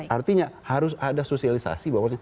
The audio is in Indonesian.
artinya harus ada sosialisasi bahwa